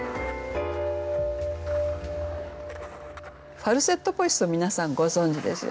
「ファルセットボイス」は皆さんご存じですよね。